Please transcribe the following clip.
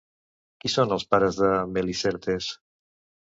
Qui són els pares de Melicertes?